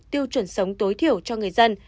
tiêu chuẩn sống tối thiểu cho người dân